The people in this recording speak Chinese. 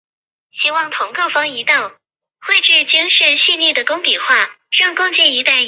广九直通车对中国对外开放的改革历程有相当重要的意义。